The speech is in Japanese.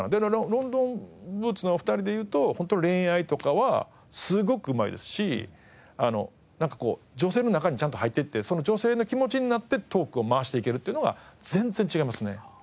ロンドンブーツのお二人で言うと本当に恋愛とかはすごくうまいですしなんかこう女性の中にちゃんと入っていってその女性の気持ちになってトークを回していけるっていうのが全然違いますね。